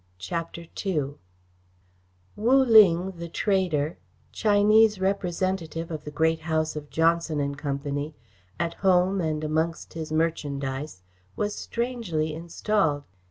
CHAPTER II Wu Ling, the trader, Chinese representative of the great house of Johnson and Company, at home and amongst his merchandise, was strangely installed.